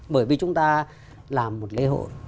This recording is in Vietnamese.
bởi vì chúng ta làm một lễ hội